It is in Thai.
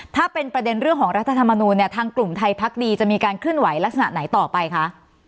ถ้าเป็นประเด็นเรื่องของรัฐธรรมนูลเนี่ยทางกลุ่มไทยพักดีจะมีการเคลื่อนไหวลักษณะไหนต่อไปคะ